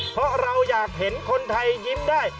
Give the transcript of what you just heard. เพราะเราอยากเห็นคนไทยยิ้มได้